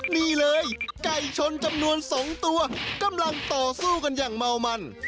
นี่เลยไก่ชนจำนวน๒ตัวกำลังต่อสู้กันอย่างเมามัน